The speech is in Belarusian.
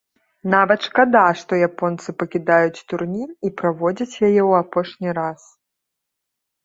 Нават шкада, што японцы пакідаюць турнір і праводзяць яе ў апошні раз.